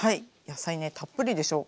野菜ねたっぷりでしょ。